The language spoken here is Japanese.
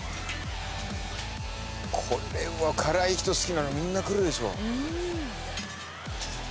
これは辛い人好きなのみんな来るでしょ。